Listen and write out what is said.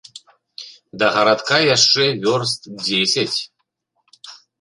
Да гарадка яшчэ вёрст дзесяць.